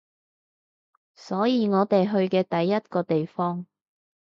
所以我哋去嘅第一個地方